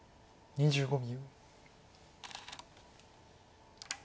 ２５秒。